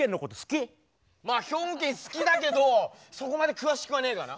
まあ兵庫県好きだけどそこまで詳しくはねえかな。